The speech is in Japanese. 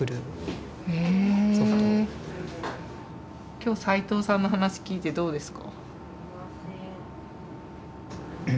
今日斎藤さんの話聞いてどうですか？